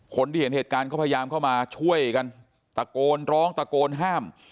คนที่เห็นเหตุการณ์เขาพยายามเข้ามาช่วยกันตะโกนร้องตะโกนห้าม